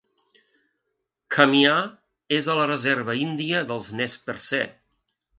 Kamiah és a la reserva índia dels nez percé.